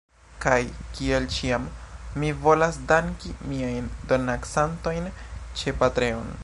Kaj, kiel ĉiam, mi volas danki miajn donacantojn ĉe Patreon